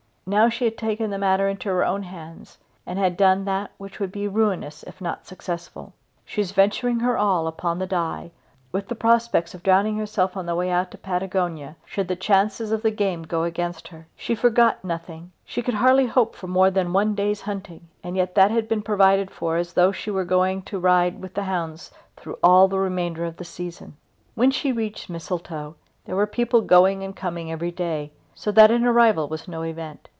Now she had taken the matter into her own hands and had done that which would be ruinous if not successful. She was venturing her all upon the die, with the prospect of drowning herself on the way out to Patagonia should the chances of the game go against her. She forgot nothing. She could hardly hope for more than one day's hunting and yet that had been provided for as though she were going to ride with the hounds through all the remainder of the season. When she reached Mistletoe there were people going and coming every day, so that an arrival was no event.